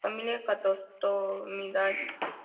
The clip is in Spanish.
Familia Catostomidae